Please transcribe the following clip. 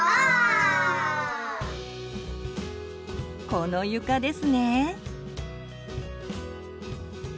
この床ですね。